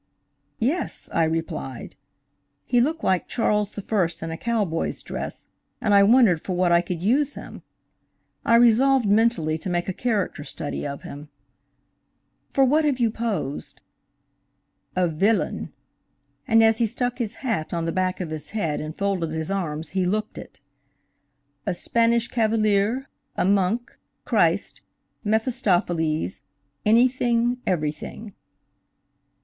"Yes," I replied. He looked like Charles I in a cowboy's dress, and I wondered for what I could use him. I resolved mentally to make a character study of him. "For what have you posed?" "A villain," and as he stuck his hat on the back of his head and folded his arms he looked it. "A Spanish cavalier, a monk, Christ, Mephistopheles–anything, everything."